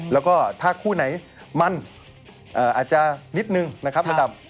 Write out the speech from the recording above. แล้วก็ถ้าคู่ไหนมันอาจจะนิดนึงนะครับระดับ